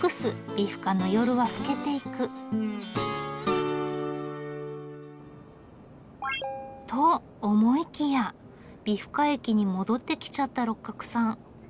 美深の夜は更けていく。と思いきや美深駅に戻ってきちゃった六角さん。